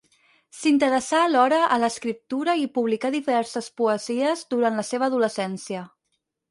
S'interessà alhora a l'escriptura i publicà diverses poesies durant la seva adolescència.